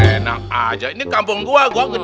enak aja ini kampung gue gue ga denger kok disini